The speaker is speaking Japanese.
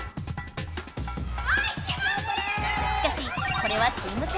しかしこれはチーム戦。